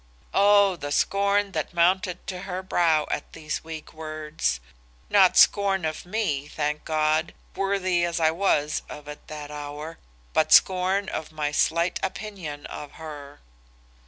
"O the scorn that mounted to her brow at these weak words. Not scorn of me, thank God, worthy as I was of it that hour, but scorn of my slight opinion of her.